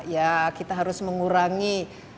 ya kita harus mengurangi